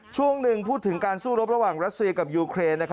ช่วงหนึ่งพูดถึงการสู้รบระหว่างรัสเซียกับยูเครน